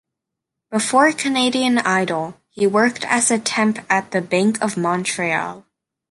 Before "Canadian Idol", he worked as a temp at the Bank of Montreal.